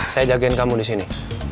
saya jagain kamu disini